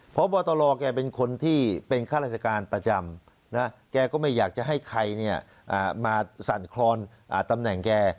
เพราะว่าตลอแกเป็นคนที่เป็นข้าราชการตระจำแกก็ไม่อยากให้ใครมาสั่นครอนตำแหน่งแก